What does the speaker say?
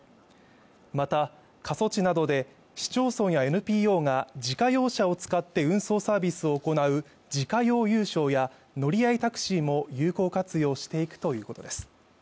また過疎地などで市町村やＮＰＯが自家用車を使って運送サービスを行う自家用有償や乗り合いタクシーも有効活用していくということです